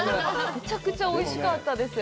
むちゃくちゃおいしかったです。